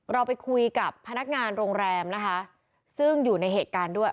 เราไปคุยกับพนักงานโรงแรมนะคะซึ่งอยู่ในเหตุการณ์ด้วย